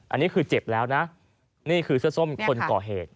อันนี้คือเจ็บแล้วนะนี่คือเสื้อส้มคนก่อเหตุ